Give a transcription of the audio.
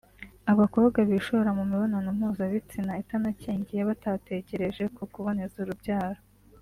abakobwa bishora mu mibonano mpuzabitsina itanakingiye batatekereje ku kuboneza urubyaro